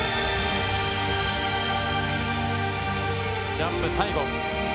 ジャンプ最後。